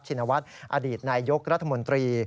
ชินวัฒน์อดีตนายยกรัฐมนตรี